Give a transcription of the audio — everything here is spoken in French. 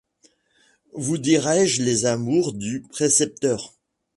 Vous dirai-je les amours du précepteur ?